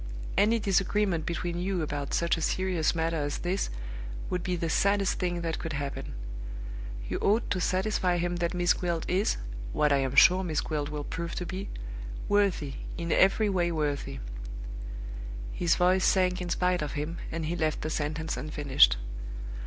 Any disagreement between you about such a serious matter as this would be the saddest thing that could happen. You ought to satisfy him that Miss Gwilt is (what I am sure Miss Gwilt will prove to be) worthy, in every way worthy " His voice sank in spite of him, and he left the sentence unfinished.